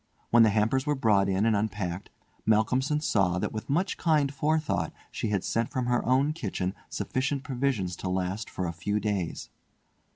When the hampers were brought in and unpacked, Malcolmson saw that with much kind forethought she had sent from her own kitchen sufficient provisions to last for a few days.